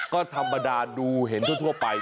ก็ธรรมดาดูเห็นทั่วไป